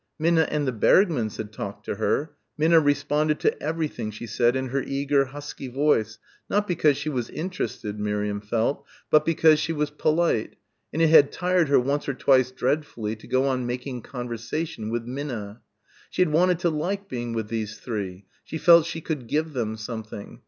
Minna and the Bergmanns had talked to her. Minna responded to everything she said in her eager husky voice not because she was interested Miriam felt, but because she was polite, and it had tired her once or twice dreadfully to go on "making conversation" with Minna. She had wanted to like being with these three. She felt she could give them something.